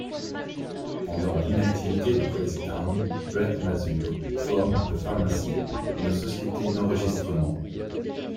Pendant l'inactivité de Crazy Town, Bret Mazur forme The Pharmacy, une société d'enregistrement.